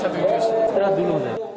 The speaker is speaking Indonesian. sekarang dulu deh